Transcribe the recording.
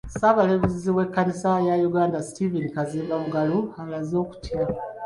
Ssaabalabirizi w'ekkanisa ya Uganda, Stephen Kazimba Mugalu, alaze okutya.